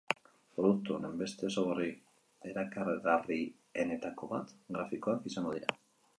Produktu honen beste ezaugarri erakargarrienetako bat grafikoak izango dira.